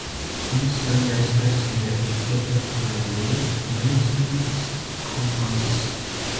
Une seule espèce est répertoriée, Magnosaurus combensis.